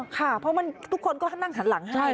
ค่ะเพราะทุกคนก็นั่งหันหลังให้